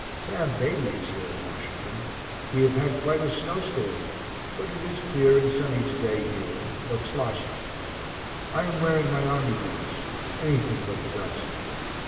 Sam Beatty is here in Washington. We have had quite a snow storm, but [it] is clear and sunny to day here, but sloshy. I am wearing my army boots anything but the dust.